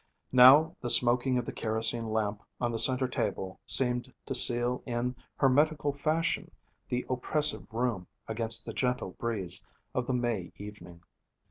Now the smoking of the kerosene lamp on the centre table seemed to seal in hermetical fashion the oppressive room against the gentle breeze of the May evening.